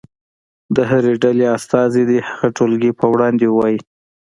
د هرې ډلې استازی دې هغه ټولګي په وړاندې ووایي.